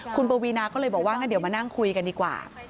คุณปวีนาก็เลยบอกว่างั้นเดี๋ยวมานั่งคุยกันดีกว่า